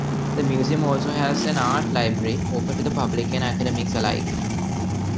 The museum also has an art library, open to the public and academics alike.